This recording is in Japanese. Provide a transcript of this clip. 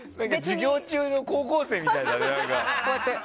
授業中の高校生みたいだね。